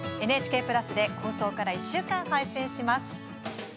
ＮＨＫプラスで放送から１週間配信します。